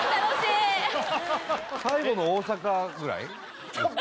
最後の「大阪」ぐらい？